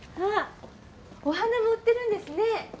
あっお花も売ってるんですね。